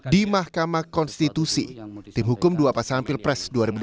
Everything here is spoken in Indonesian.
di mahkamah konstitusi tim hukum dua pasangan pilpres dua ribu dua puluh